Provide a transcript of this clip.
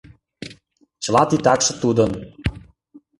Чыла титакше тудын.